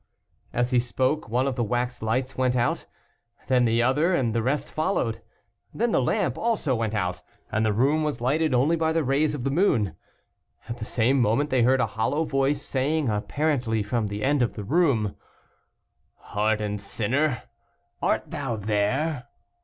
As he spoke, one of the wax lights went out, then the other, and the rest followed. Then the lamp also went out, and the room was lighted only by the rays of the moon. At the same moment they heard a hollow voice, saying, apparently from the end of the room, "Hardened sinner, art thou there?"